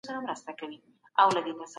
عدالت ټولنه ټينګوي.